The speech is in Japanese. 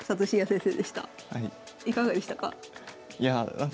いかがでしたか？